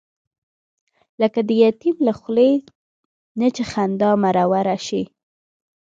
لکه د یتیم له خولې نه چې خندا مروره شي.